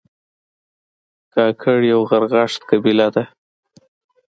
کاکړ یو غرغښت قبیله ده